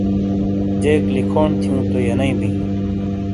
جیک لکھونڈ تھیوں تو ینیئ بیں۔